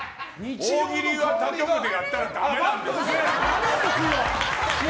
大喜利は他局でやったらダメなんです。